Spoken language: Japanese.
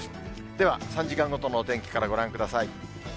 では、３時間ごとのお天気からご覧ください。